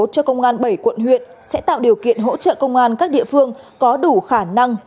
tăng cường số cho công an bảy quận huyện sẽ tạo điều kiện hỗ trợ công an các địa phương có đủ khả năng